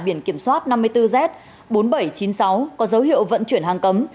biển kiểm soát năm mươi bốn z bốn nghìn bảy trăm chín mươi sáu có dấu hiệu vận chuyển hàng cấm